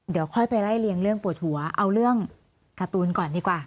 เดี๋ยวค่อยไปไล่เลี่ยงเรื่องปวดหัวเอาเรื่องการ์ตูนก่อนดีกว่า